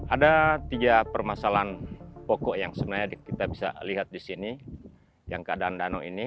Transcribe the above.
ada tiga permasalahan pokok yang sebenarnya kita bisa lihat di sini yang keadaan danau ini